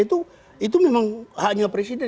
itu memang haknya presiden